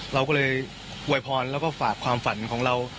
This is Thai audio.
เราก็เลยอวยพรแล้วก็ฝากความฝันของเรา